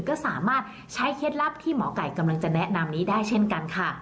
ก็สามารถใช้เคล็ดลับที่หมอไก่กำลังจะแนะนำนี้ได้เช่นกันค่ะ